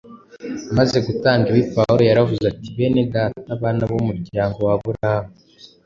Amaze gutangaza ibi, Pawulo yaravuze ati “Bene Data, bana b’umuryango wa Aburahamu,